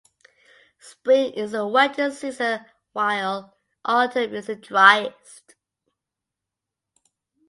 Spring is the wettest season while autumn is the driest.